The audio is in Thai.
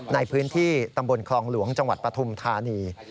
ในพื้นที่ตำบลคลองหลวงจังหวัดปฐุมธานี